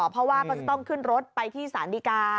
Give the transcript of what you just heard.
เพราะว่าก็จะต้องขึ้นรถไปที่สารดีกา